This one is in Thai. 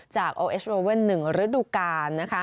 โอเอสโรเว่น๑ฤดูกาล